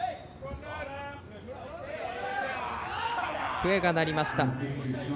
笛が鳴りました。